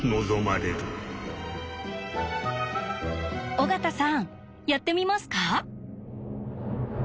尾形さんやってみますか？